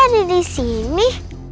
kok dia ada di sini